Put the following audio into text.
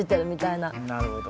なるほど。